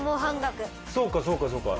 そうかそうかそうか。